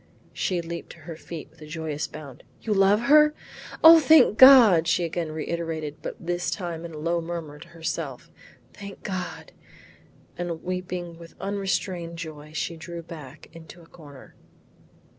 She leaped to her feet with a joyous bound. "You love her? O thank God!" she again reiterated but this time in a low murmur to her self. "Thank God!" and weeping with unrestrained joy, she drew back into a corner.